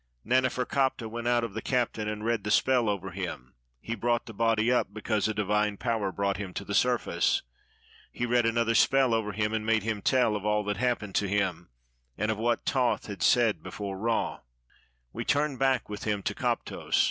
Naneferkaptah went out of the cabin, and read the spell over him ; he brought the body up because a divine power brought him to the surface. He read another spell over him, and made him tell of all that hap pened to him, and of what Thoth had said before Ra. We turned back with him to Koptos.